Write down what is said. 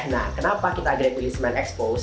nah kenapa kita agak pilih semen expose